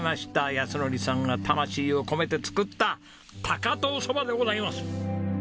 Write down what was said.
靖典さんが魂を込めて作った高遠そばでございます。